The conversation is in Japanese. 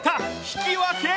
引き分け。